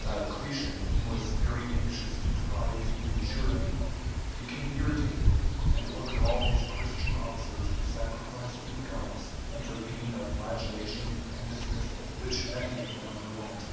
Diocletian, who was very anxious to pry into futurity, became irritated, and ordered all his Christian officers to sacrifice to the gods under pain of flagellation and dismissal, which many of them underwent.